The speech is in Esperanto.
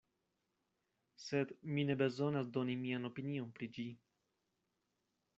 Sed mi ne bezonas doni mian opinion pri ĝi.